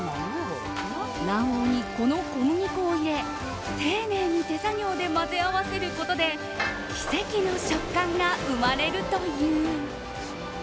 卵黄にこの小麦粉を入れ丁寧に手作業で混ぜ合わせることで奇跡の食感が生まれるという。